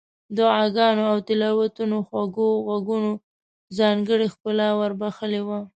دعاګانو او تلاوتونو خوږو غږونو ځانګړې ښکلا ور بخښلې وه.